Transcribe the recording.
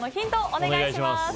お願いします。